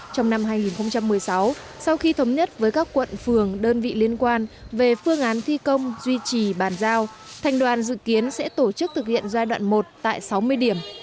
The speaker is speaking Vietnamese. trong năm hai nghìn một mươi sáu sau khi thống nhất với các quận phường đơn vị liên quan về phương án thi công duy trì bàn giao thành đoàn dự kiến sẽ tổ chức thực hiện giai đoạn một tại sáu mươi điểm